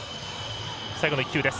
最後の１球です。